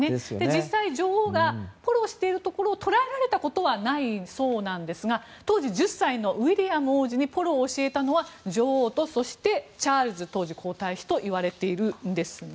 実際、女王がポロをしているところを捉えられたことはないそうなんですが当時１０歳のウィリアム王子にポロを教えたのは女王と当時のチャールズ皇太子といわれているんですね。